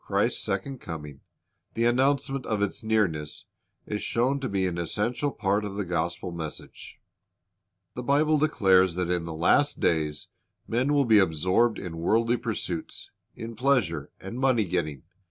'^ 228 Christ's Object Lessons of Christ's second coming, the announcement of its nearness, is shown to be an essential part of the gospel message. The Bible declares that in the last days men will be absorbed in worldly pursuits, in pleasure and money getting.